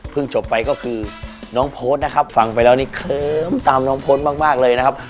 จบไปก็คือน้องโพสต์นะครับฟังไปแล้วนี่เคลิ้มตามน้องโพสต์มากเลยนะครับ